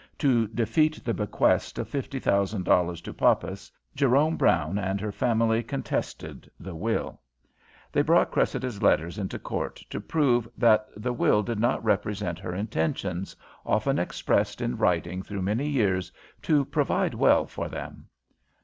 To defeat the bequest of fifty thousand dollars to Poppas, Jerome Brown and her family contested the will. They brought Cressida's letters into court to prove that the will did not represent her intentions, often expressed in writing through many years, to "provide well" for them.